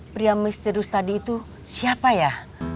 pria misterius tadi itu siapa ya